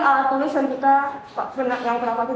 alat tulisan kita yang pernah pakai